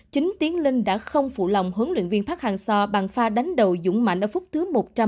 chính tiếng lên đã không phụ lòng huấn luyện viên pháp hàng so bằng pha đánh đầu dũng mạnh ở phút thứ một trăm một mươi một